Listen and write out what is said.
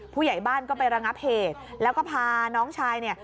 ผู้ใหญ่บ้านก็ไประงับเหตุแล้วก็พาน้องชายเนี่ย